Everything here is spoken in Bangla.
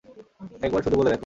একবার শুধু বলে দেখো।